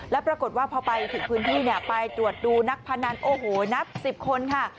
แล้วปรากฏว่าพอไปถึงพื้นที่ไปตรวจดูนักพนันโอ้โหนับ๑๐คนค่ะ